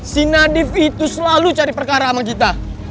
si nadif itu selalu cari perkara sama kita